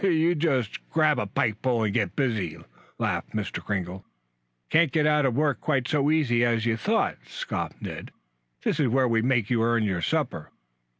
"You just grab a pike pole and get busy!" laughed Mr. Kringle. "Can't get out of work quite so easy as you thought," scoffed Ned. "This is where we make you earn your supper."